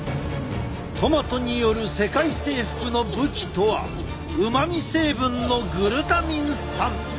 トマトによる世界征服の武器とはうまみ成分のグルタミン酸。